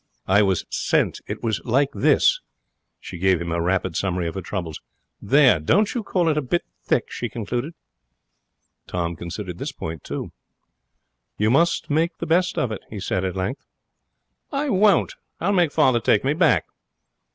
I was sent. It was like this.' She gave him a rapid summary of her troubles. 'There! Don't you call it a bit thick?' she concluded. Tom considered this point, too. 'You must make the best of it,' he said, at length. 'I won't! I'll make father take me back.'